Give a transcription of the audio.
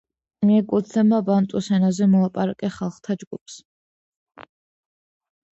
მიეკუთვნება ბანტუს ენაზე მოლაპარაკე ხალხთა ჯგუფს.